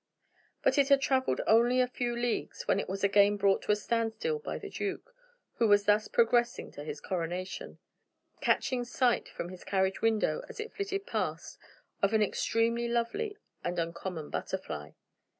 But it had traveled only a few leagues when it was again brought to a standstill by the duke who was thus progressing to his coronation catching sight from his carriage window, as it flitted past, of an extremely lovely and uncommon butterfly.